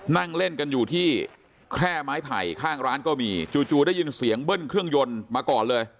นั่งเล่นกันอยู่ที่แคร่ไม้ไผ่ข้างร้านก็มีจู่ได้ยินเสียงเบิ้ลเครื่องยนต์มาก่อนเลย